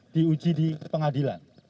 diuji di pengadilan